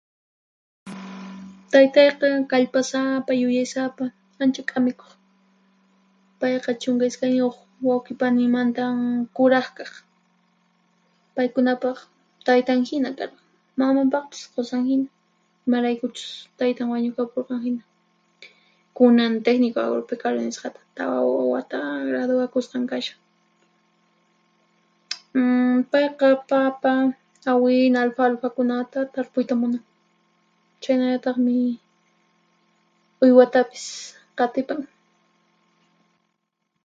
Taytayqa kallpasapa, yuyaysapa, ancha k'amikuq. Payqa 12 wawqipanimanta kuraqkaq. Paykunapaq taytanhina karqan, mamanpaqpis qusanhina, imaraykuchus taytan wañukapurqan hina. Kunan Técnico Agropecuario nisqata tawa wata graduwakusqan kashan. mmm Payqa papa, awina, alfalfakunata tarpuyta munan; chhaynallataqmi uywatapis qhatipan.